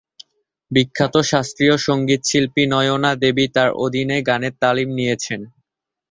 বিখ্যাত শাস্ত্রীয় সংগীতশিল্পী নয়না দেবী তার অধীনে গানের তালিম নিয়েছেন।